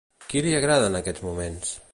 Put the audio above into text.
Qui li agrada en aquests moments?